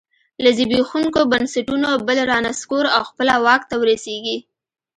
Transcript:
له زبېښونکو بنسټونو بل رانسکور او خپله واک ته ورسېږي